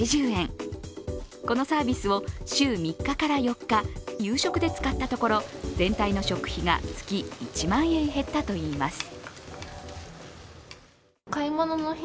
このサービスを週３日から４日、夕食で使ったところ全体の食費が月１万円減ったといいます。